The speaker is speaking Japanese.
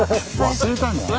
忘れたんじゃない？